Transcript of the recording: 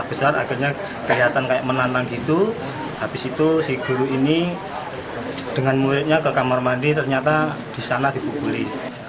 ini dengan muridnya ke kamar mandi ternyata disana dibukuli